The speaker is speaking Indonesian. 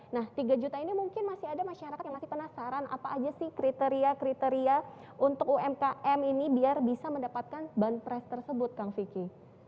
nah tiga juta ini mungkin masih ada masyarakat yang masih penasaran apa aja sih kriteria kriteria untuk umkm ini biar bisa mendapatkan banpres tersebut kang vicky